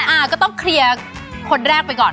อ่าก็ต้องเคลียร์คนแรกไปก่อน